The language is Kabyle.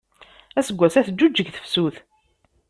Aseggas-a teǧuǧeg tefsut.